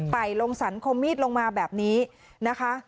่ลงสรรคมมีดลงมาแบบนี้นะคะ